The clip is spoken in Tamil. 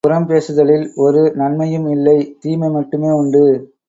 இதனால் புறம் பேசுதலில் ஒரு நன்மையும் இல்லை தீமை மட்டுமே உண்டு.